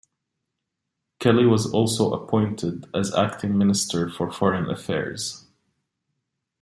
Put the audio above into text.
Kelly was also appointed acting Minister for Foreign Affairs.